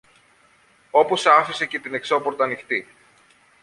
Όπως άφησε και την εξώπορτα ανοιχτή